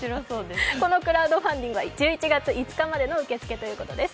このクラウドファンディングは１１月５日までの受け付けということです。